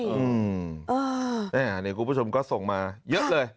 นี่หาเนี่ยกลุ่มผู้ชมก็ส่งมาเยอะเลย